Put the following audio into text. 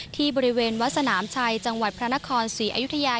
ที่บริเวณวัดสนามชัยจังหวัดพระนครศรีอยุธยา